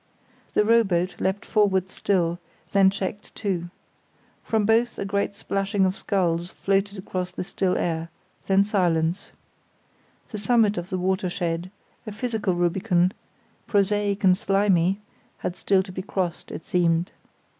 The rowboat leapt forward still; then checked, too. From both a great splashing of sculls floated across the still air, then silence. The summit of the watershed, a physical Rubicon, prosaic and slimy, had still to be crossed, it seemed.